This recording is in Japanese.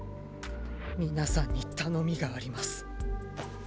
皆さんに頼みがあります。